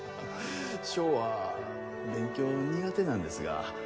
翔は勉強苦手なんですが